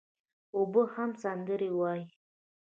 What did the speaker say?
اوبه هم سندري وايي.